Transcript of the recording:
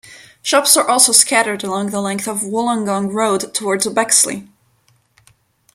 Shops are also scattered along the length of Wollongong Road towards Bexley.